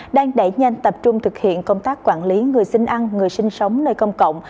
đang đẩy nhanh tập trung thực hiện công tác quản lý người xin ăn người sinh sống nơi công cộng